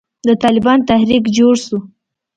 د طالبانو تحريک جوړ سو.